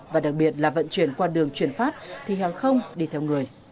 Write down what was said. và đặc biệt là vận chuyển qua đường chuyển phát thì hàng không đi theo người